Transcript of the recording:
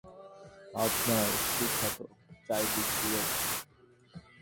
আপনার সুখ্যাতি চারদিক জুড়ে।